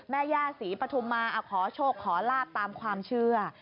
แม่ย่าศรีปฐุมมาขอโชคขอลาบตามความเชื่อ